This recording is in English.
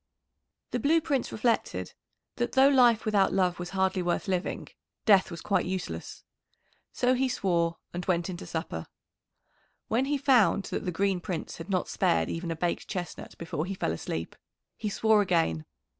"] The Blue Prince reflected that though life without love was hardly worth living, death was quite useless. So he swore and went in to supper. When he found that the Green Prince had not spared even a baked chestnut before he fell asleep, he swore again.